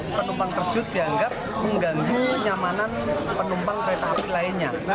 penumpang tersebut dianggap mengganggu kenyamanan penumpang kereta api lainnya